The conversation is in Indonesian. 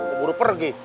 gue buru pergi